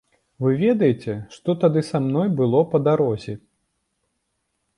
Вы ведаеце, што тады са мной было па дарозе?